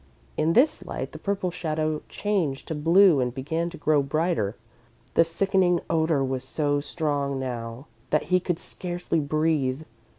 In this light, the purple shadow changed to blue and began to grow brighter. The sickening odour was so strong now that he could scarcely breathe.